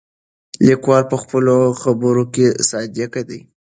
لیکوال په خپلو خبرو کې صادق دی.